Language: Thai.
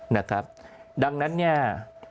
นะครับดังนั้นเนี่ย